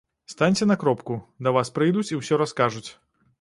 Станьце на кропку, да вас прыйдуць і ўсё раскажуць.